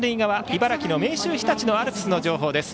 茨城の明秀日立のアルプスの情報です。